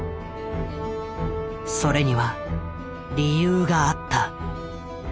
それには理由があった。